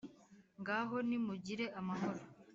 ngaho nimugire amahoro.